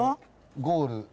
ゴール。